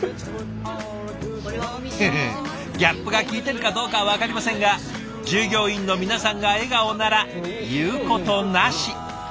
フフギャップが効いているかどうかは分かりませんが従業員の皆さんが笑顔なら言うことなし。